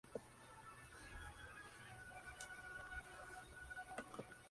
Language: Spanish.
Pasado esto Fey viajó a Brasil para presentar su disco.